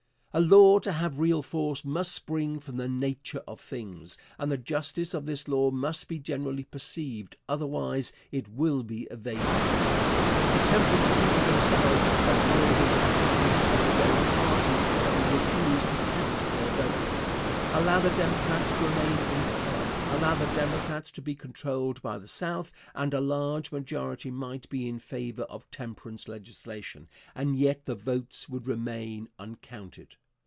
A law to have real force must spring from the nature of things, and the justice of this law must be generally perceived, otherwise it will be evaded. The temperance people themselves are playing into the hands of the very party that would refuse to count their votes. Allow the Democrats to remain in power, allow the Democrats to be controlled by the South, and a large majority might be in favor of temperance legislation, and yet the votes would remain uncounted.